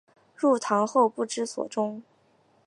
入唐后不知所终。